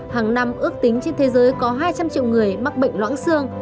hàng năm ước tính trên thế giới có hai trăm linh triệu người mắc bệnh loãng xương